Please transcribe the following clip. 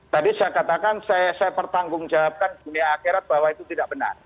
tadi saya katakan saya pertanggungjawabkan dunia akhirat bahwa itu tidak benar